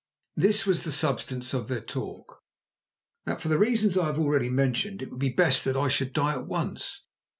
This was the substance of their talk; that for the reasons I have already mentioned it would be best that I should die at once.